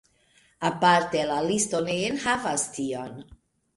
Aparte la listo ne enhavas tion.